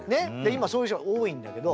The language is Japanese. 今そういう人多いんだけど。